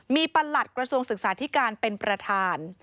มีประหลัดกระทรวงศึกษาธิการเป็นประธาน